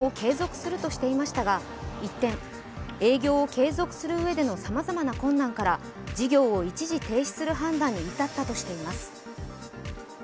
営業を継続するとしていましたが一転一転、営業を継続するうえでのさまざまな困難から事業を一時停止する判断に至ったとしています。